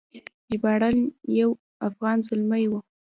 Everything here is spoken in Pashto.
ژباړن یو افغان زلمی و.